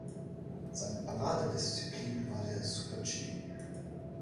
Seine Paradedisziplin war der Super-G.